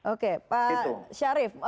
oke pak syarif